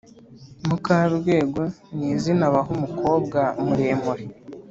Mukarwego nizina baha umukobwa muremure